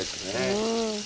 うん。